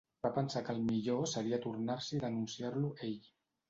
Va pensar que el millor seria tornar-s'hi i denunciar-lo ell.